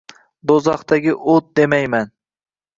Do’zaxdagi o’t demayman